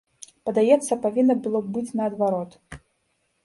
Падаецца, павінна было б быць наадварот.